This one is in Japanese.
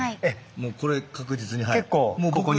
もうこれ確実にはい。